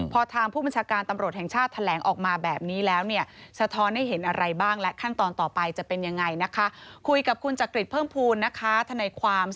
พอทางผู้บัญชาการตำรวจแห่งชาติแถลงออกมาแบบนี้แล้วเนี่ยสะท้อนให้เห็นอะไรบ้างและขั้นตอนต่อไปจะเป็นยังไงนะคะ